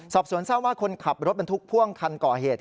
สอบสวนทราบว่าคนขับรถบรรทุกพ่วงคันก่อเหตุ